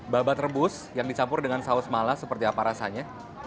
babat rebus yang dicampur dengan saus malas seperti apa rasanya